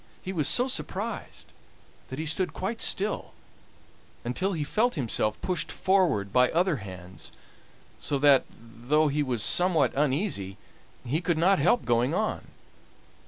He was so much surprised that he stood quite still, until he felt himself pushed forward by other hands, so that, though he was somewhat uneasy, he could not help going on.